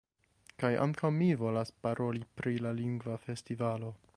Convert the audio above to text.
Kaj ankaŭ mi volas paroli pri la lingva festivalo.